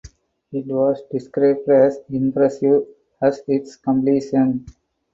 It was described as ""impressive"" at its completion.